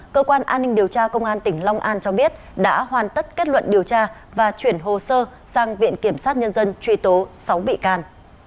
cơ quan an ninh điều tra công an tỉnh long an cho biết đã hoàn tất kết luận điều tra và chuyển hồ sơ sang viện kiểm sát nhân dân truy tố sáu bị can